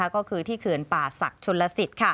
ก็คือที่เขื่อนป่าศักดิ์ชนลสิต